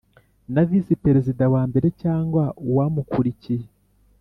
na Visi Perezida wa mbere cyangwa uwa mukurikiye